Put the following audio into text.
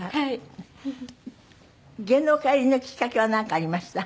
芸能界入りのきっかけはなんかありました？